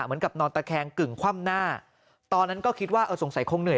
นอนตะแคงกึ่งคว่ำหน้าตอนนั้นก็คิดว่าเออสงสัยคงเหนื่อย